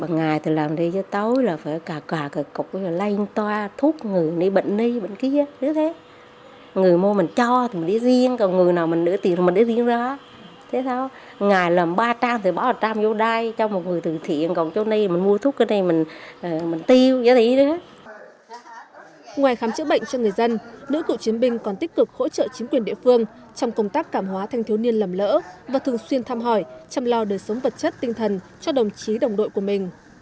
ngoài khám chữa bệnh cho người dân nữ cựu chiến binh còn tích cực hỗ trợ chính quyền địa phương trong công tác cảm hóa thanh thiếu niên lầm lỡ và thường xuyên thăm hỏi chăm lo đời sống vật chất tinh thần cho đồng chí đồng đội của mình